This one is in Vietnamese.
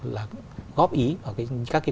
là góp ý vào các cái